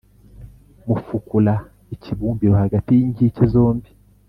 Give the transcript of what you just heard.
Mufukura ikibumbiro hagati y’inkike zombi,